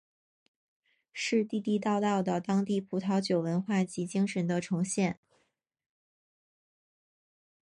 是地地道道的当地葡萄酒文化及精神的呈现。